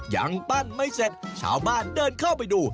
ยังปั้นไม่เสร็จชาวบ้านเดินเข้าไปดู